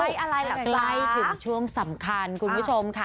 อะไรล่ะใกล้ถึงช่วงสำคัญคุณผู้ชมค่ะ